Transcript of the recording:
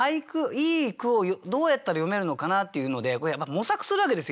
いい句をどうやったら詠めるのかなっていうので模索するわけですよ